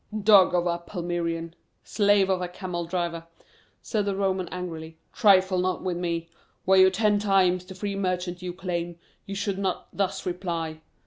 "Dog of a Palmyrean; slave of a camel driver," said the Roman angrily, "trifle not with me. Were you ten times the free merchant you claim, you should not thus reply.